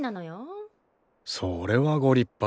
それはご立派。